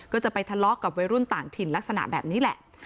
ก็จะไปทะเลาะกับวัยรุ่นต่างถิ่นลักษณะแบบนี้แหละ